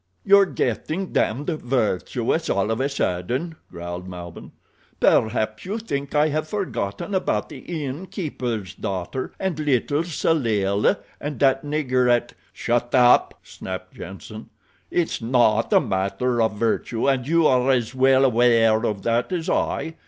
"You're getting damned virtuous all of a sudden," growled Malbihn. "Perhaps you think I have forgotten about the inn keeper's daughter, and little Celella, and that nigger at—" "Shut up!" snapped Jenssen. "It's not a matter of virtue and you are as well aware of that as I.